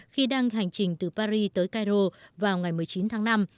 khi đang hành trình từ paris tới cairo vào ngày một mươi chín tháng năm